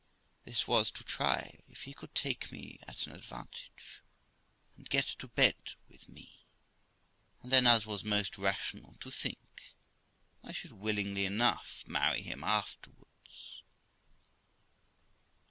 This was, to try if he could take me at an advantage, and get to bed to me, and then, as was most rational to think, I should willingly enough marry him afterwards.